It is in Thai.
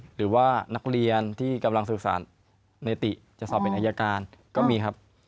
หรือว่านักเรียนที่กำลังสืบสารในติจะสอบเป็นอายการก็มีครับ